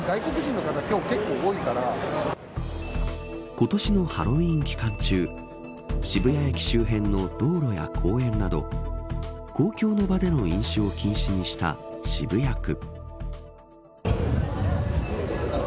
今年のハロウィーン期間中渋谷駅周辺の道路や公園など公共の場での飲酒を禁止にした渋谷区。